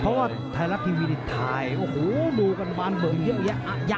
เพราะว่าไทยรับทีวีดิตไทยโอ้โหดูกันบ้านเบิ่งเยอะเลย